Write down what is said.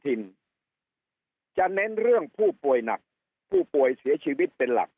จะเน้นเรื่องผู้ป่วยหนักผู้ป่วยเสียชีวิตเป็นหลัก